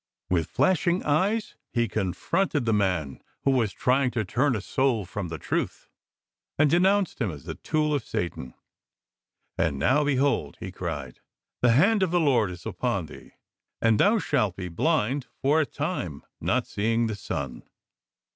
With flashing eyes he confronted the man who was trying to turn a soul from the truth, and denounced him as the tool of batan. "And now behold," he cried, "the Hand of the Lord is upon thee, and thou shalt be blind for a time, not seeing the sun."